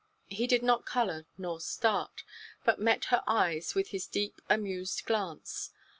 He did not color nor start, but met her eyes with his deep amused glance.